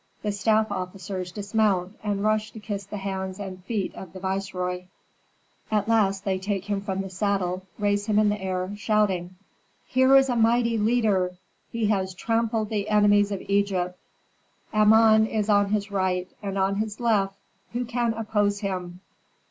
The staff officers dismount, and rush to kiss the hands and feet of the viceroy; at last they take him from the saddle, raise him in the air, shouting, "Here is a mighty leader! He has trampled the enemies of Egypt! Amon is on his right, and on his left, who can oppose him?"